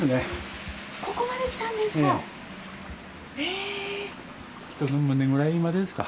ここまで来たんですか。